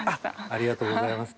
ありがとうございます。